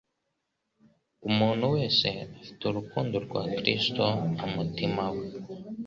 Umuntu wese ufite urukundo rwa Kristo mu mutima we